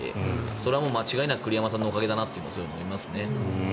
それは間違いなく栗山さんのおかげだなと思いますね。